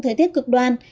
thời tiết cực đoan